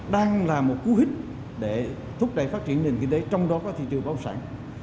đang là một cú hích để thúc đẩy phát triển nền kinh tế trong đó có thị trường bất sản